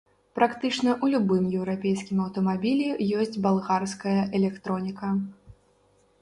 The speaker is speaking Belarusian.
Практычна ў любым еўрапейскім аўтамабілі ёсць балгарская электроніка.